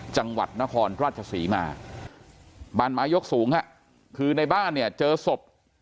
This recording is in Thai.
จังหวัดนครราชศรีมาบ้านไม้ยกสูงฮะคือในบ้านเนี่ยเจอศพ